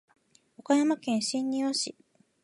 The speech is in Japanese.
岡山県真庭市